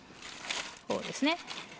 こうですね。